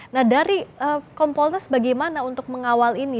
nah dari kompolnas bagaimana untuk mengawal ini